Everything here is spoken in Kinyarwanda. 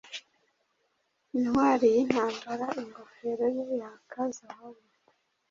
intwari yintambara ingofero ye yaka zahabu